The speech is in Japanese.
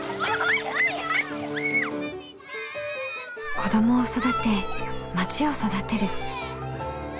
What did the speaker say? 子どもを育てまちを育てる。